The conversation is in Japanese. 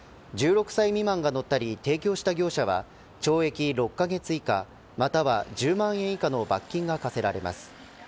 １６歳未満が乗ったり提供した業者は懲役６カ月以下または１０万円以下の罰金が科せられます。